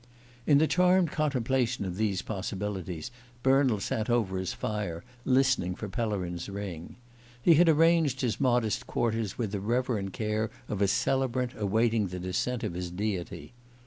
In the charmed contemplation of these possibilities Bernald sat over his fire, listening for Pellerin's ring. He had arranged his modest quarters with the reverent care of a celebrant awaiting the descent of his deity.